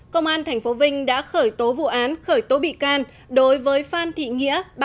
công an thành phố vinh đã khởi tố vụ án khởi tố bị can đối với phan thị nghĩa